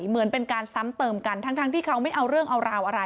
เหมือนเป็นการซ้ำเติมกันทั้งที่เขาไม่เอาเรื่องเอาราวอะไร